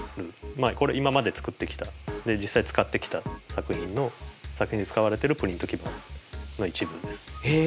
これ今まで作ってきた実際に使ってきた作品の作品に使われてるプリント基板の一部です。